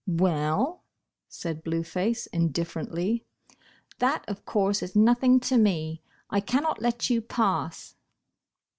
"Well," said Blue Face, indifferently, "that, of course, is nothing to me. I cannot let you pass."